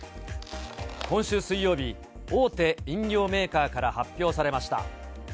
今週水曜日、大手飲料メーカーから発表されました。